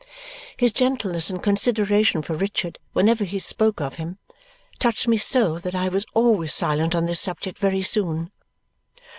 His gentleness and consideration for Richard whenever we spoke of him touched me so that I was always silent on this subject very soon.